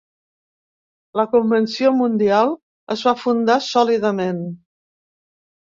La convenció mundial es va fundar sòlidament.